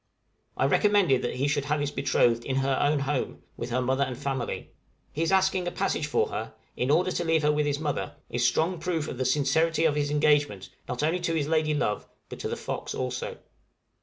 I recommended that he should have his betrothed in her own home, with her mother and family. His asking a passage for her, in order to leave her with his mother, is strong proof of the sincerity of his engagement, not only to his lady love, but to the 'Fox' also.